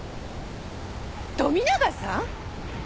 富永さん！？